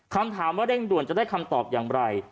คำถามว่าเร่งด่วนจะได้คำตอบอย่างไร